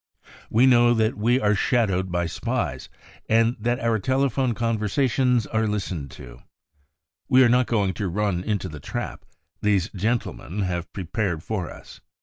We know that we are shadowed by spies, and that our telephone THE REAL INCENDIARIES 1 *5 conversations are listened to. We are not going to run into the trap these gentlemen have prepared for us.